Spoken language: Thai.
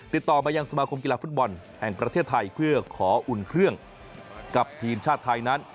ติดต่อมายังสมาคมกีฬาฟุตบอลแห่งประเทศไทยเพื่อขออุ่นเครื่องกับทีมชาติไทยนั้น